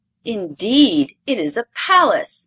"Indeed, it is a palace!"